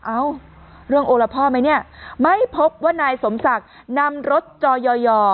เอ้าเรื่องโอละพ่อไหมเนี่ยไม่พบว่านายสมศักดิ์นำรถจอย่อย่อ